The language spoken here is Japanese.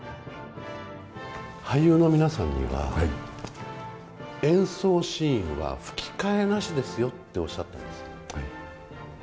俳優の皆さんには演奏シーンは吹き替えなしですよっておっしゃったんですか？